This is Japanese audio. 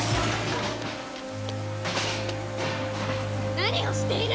何をしている！